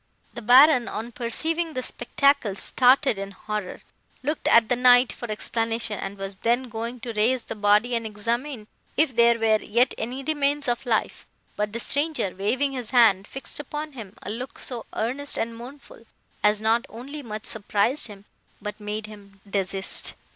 "The Baron, on perceiving the spectacle, started in horror, looked at the Knight for explanation, and was then going to raise the body and examine if there were yet any remains of life; but the stranger, waving his hand, fixed upon him a look so earnest and mournful, as not only much surprised him, but made him desist.